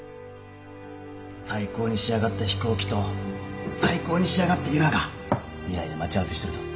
最高に仕上がった飛行機と最高に仕上がった由良が未来で待ち合わせしとると。